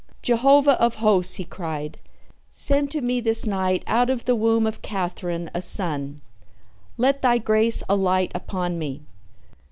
"Jehovah of Hosts," he cried, "send to me this night out of the womb of Katherine, a son. Let Thy grace alight upon me.